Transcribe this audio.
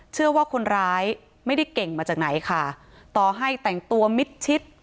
เชื่อว่าคนร้ายไม่ได้เก่งมาจากไหนค่ะต่อให้แต่งตัวมิดชิด